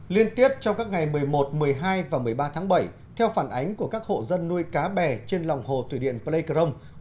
liên tiếp trong các ngày một mươi một một mươi hai và một mươi ba tháng bảy theo phản ánh của các hộ dân nuôi cá bè trên lòng hồ thủy điện pleicron